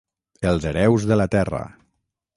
Els hereus de la terra.